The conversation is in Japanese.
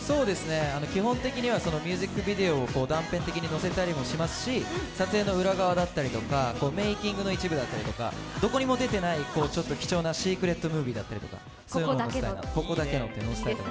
基本的にはミュージックビデオを断片的に載せたりとかしますし、撮影の裏側だったりとか、メーキングの一部だったりとかどこにも出ていない貴重なシークレットムービーとか、ここだけの。